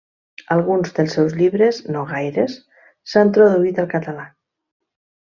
Alguns dels seus llibres, no gaires, s'han traduït al català.